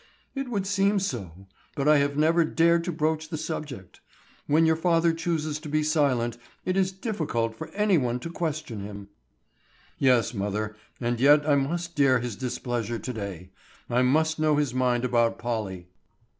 "It would seem so, but I have never dared to broach the subject. When your father chooses to be silent, it is difficult for any one to question him." "Yes, mother; and yet I must dare his displeasure to day. I must know his mind about Polly."